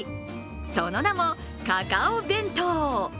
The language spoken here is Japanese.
その名もカカオ弁当。